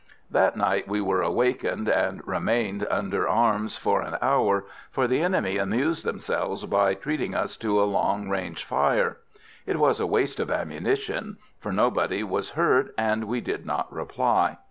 That night we were awakened, and remained under arms for an hour, for the enemy amused themselves by treating us to a long range fire. It was a waste of ammunition, for nobody was hurt, and we did not reply.